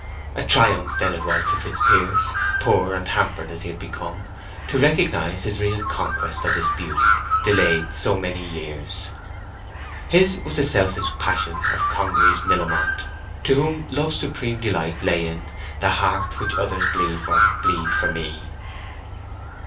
A triumph then it was to Fitzpiers, poor and hampered as he had become, to recognize his real conquest of this beauty, delayed so many years. His was the selfish passion of Congreve's Millamont, to whom love's supreme delight lay in "that heart which others bleed for, bleed for me."